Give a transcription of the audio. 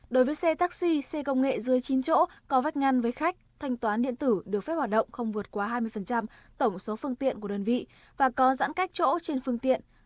đối với xe taxi xe công nghệ dưới chín chỗ có vách ngăn với khách thanh toán điện tử được phép hoạt động không vượt qua hai mươi tổng số phương tiện của đơn vị và có giãn cách chỗ trên phương tiện